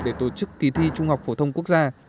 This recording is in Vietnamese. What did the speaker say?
để tổ chức ký thi trung học phổ thông quốc